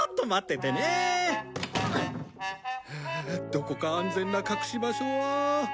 ああどこか安全な隠し場所は。